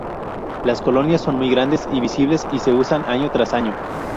Las colonias son muy grandes y visibles, y se usan año tras año.